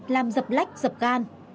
làm dập lách dập gan